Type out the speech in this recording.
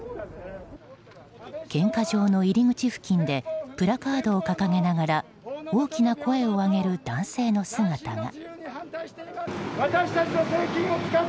献花場の入り口付近でプラカードを掲げながら大きな声を上げる男性の姿が。